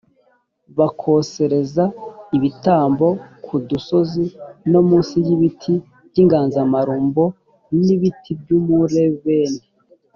bakosereza ibitambo ku dusozi no munsi y ibiti by inganzamarumbo n ibiti by umulebeni